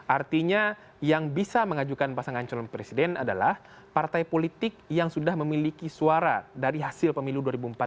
artinya yang bisa mengajukan pasangan calon presiden adalah partai politik yang sudah memiliki suara dari hasil pemilu dua ribu empat belas